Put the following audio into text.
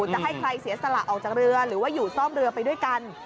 จะให้ใครเสียสละออกจากเรือหรือว่าอยู่ซ่อมเรือไปด้วยกัน